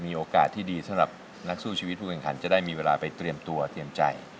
มีโอกาสที่ดีสำหรับนักสู้ชีวิตผู้แข่งขันจะได้มีเวลาไปเตรียมตัวเตรียมใจ